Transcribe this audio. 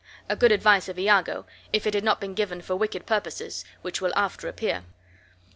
A good advice of Iago, if it had not been given for wicked purposes, which will after appear.